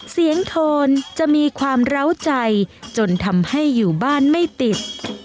โทนจะมีความเล้าใจจนทำให้อยู่บ้านไม่ติด